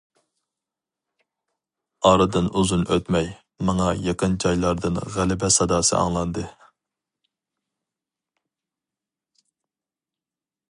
ئارىدىن ئۇزۇن ئۆتمەي، ماڭا يېقىن جايلاردىن غەلىبە ساداسى ئاڭلاندى.